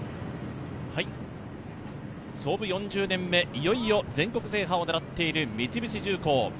創部４０年目、いよいよ全国制覇を狙っている三菱重工。